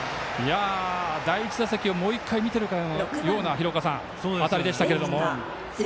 第１打席をもう１回見ているかのような当たりでしたけれども。